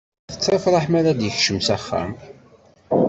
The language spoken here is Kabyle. Tettafraḥ mi ara d-yekcem s axxam.